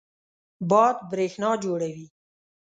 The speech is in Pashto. باد برېښنا جوړوي.